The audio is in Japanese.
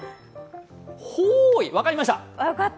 ほーい、分かりました！！